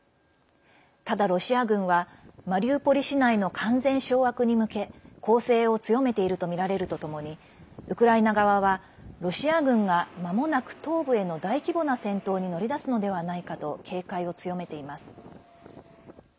ただ、ロシア軍はマリウポリ市内の完全掌握に向け攻勢を強めているとみられるとともにウクライナ側は、ロシア軍がまもなく東部への大規模な戦闘に乗り出すのではないかと警戒を強めています。